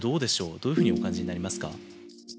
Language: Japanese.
どういうふうにお感じになりますか。